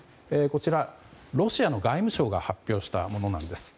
こちら、ロシアの外務省が発表したものなんです。